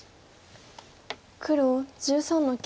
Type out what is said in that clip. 黒１３の九。